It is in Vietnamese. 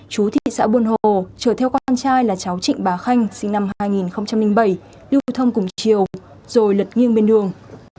chú thị xã buôn hồ chở theo con trai là cháu trịnh bá khanh sinh năm hai nghìn bảy lưu thông cùng chiều rồi lật nghiêng bên đường